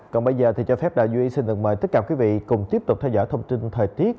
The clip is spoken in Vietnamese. còn bây giờ thì cho phép đà duy xin được mời tất cả quý vị cùng tiếp tục theo dõi thông tin thời tiết